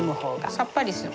さっぱりする。